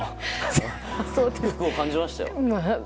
福を感じましたよ。